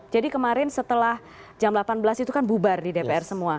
jadi kemarin setelah jam delapan belas itu kan bubar di dpr semua